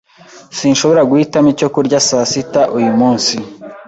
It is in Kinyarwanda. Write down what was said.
Sinshobora guhitamo icyo kurya saa sita uyu munsi.